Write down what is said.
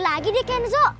lelaki di kenzo